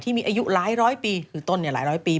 มีอายุหลายร้อยปีคือต้นหลายร้อยปี